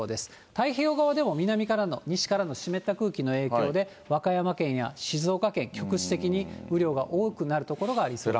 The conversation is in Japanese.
太平洋側でも南からの、西からの湿った空気の影響で、和歌山県や静岡県、局地的に雨量が多くなる所がありそうです。